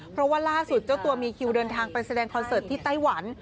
เพราะว่าล่าสุดเจ้าตัวมีคิวเดินทางไปแสดงคอนเสิร์ตที่ไต้หวัน